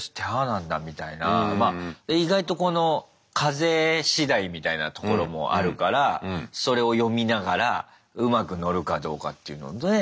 まあ意外とこの風しだいみたいなところもあるからそれを読みながらうまく乗るかどうかっていうのね。